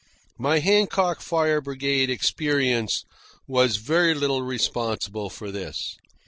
My Hancock Fire Brigade experience was very little responsible for this.